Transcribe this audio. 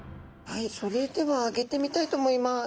はいそれではあげてみたいと思います。